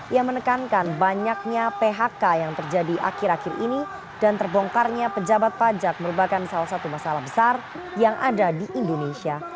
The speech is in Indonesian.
ia menekankan banyaknya phk yang terjadi akhir akhir ini dan terbongkarnya pejabat pajak merupakan salah satu masalah besar yang ada di indonesia